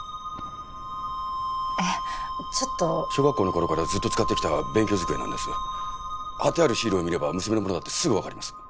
えっちょっと小学校の頃からずっと使ってきた勉強机なんです貼ってあるシールを見れば娘のものだってすぐ分かります